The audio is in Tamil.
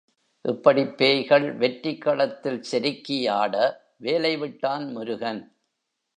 இப்படிப் பேய்கள் வெற்றிக் களத்தில் செருக்கி ஆட வேலை விட்டான் முருகன்.